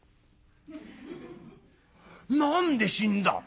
「何で死んだ？